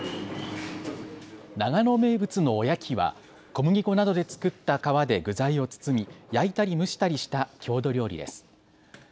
長野名物のおやきは小麦粉などで作った皮で具材を包み、焼いたり蒸したりした郷土料理です。